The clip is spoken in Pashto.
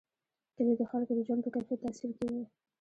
کلي د خلکو د ژوند په کیفیت تاثیر کوي.